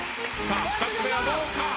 ２つ目はどうか？